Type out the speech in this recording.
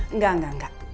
enggak enggak enggak